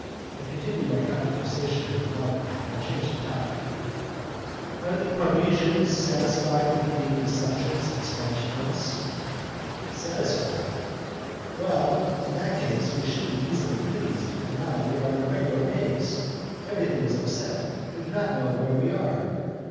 I continued my conversation with the mother, but I changed the topic. "Are the Parmesans satisfied with being the subjects of a Spanish prince?" "Satisfied? Well, in that case, we should be easily pleased, for we are now in a regular maze. Everything is upset, we do not know where we are.